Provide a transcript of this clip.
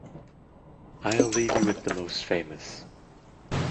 I’ll leave you with the most famous.